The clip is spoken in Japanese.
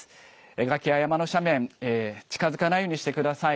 崖や山の斜面、近づかないようにしてください。